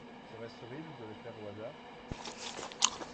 Serait-ce horrible de le faire au hasard?